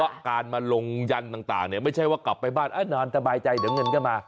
เพราะการมาลงยันต่างเนี่ยไม่ใช่ว่ากลับไปบ้านนอนสบายใจเดี๋ยวเงินก็มา